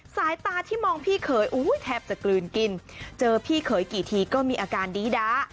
สายตาที่มองพี่เขยอุ้ยแทบจะกลืนกินเจอพี่เขยกี่ทีก็มีอาการดีด้า